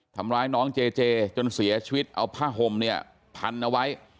ทำร้ายน้องเจเจจนเสียชีวิตเอาผ้าห่มเนี่ยพันเอาไว้